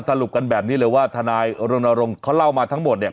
สรุปกันแบบนี้เลยว่าทนายรณรงค์เขาเล่ามาทั้งหมดเนี่ย